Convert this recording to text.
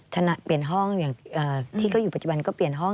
เปลี่ยนห้องอย่างที่ก็อยู่ปัจจุบันก็เปลี่ยนห้อง